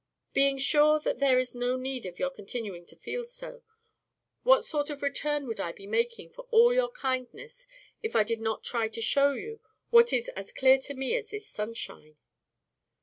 Being sure that there is no need of your continuing to feel so, what sort of return would I be making for all your kindness if I did not try to show you what is as clear to me as this sunshine?"